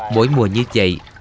mỗi mùa như vậy